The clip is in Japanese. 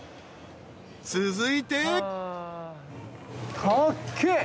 ［続いて］